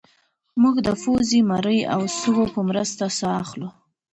موږ د پوزې مرۍ او سږو په مرسته ساه اخلو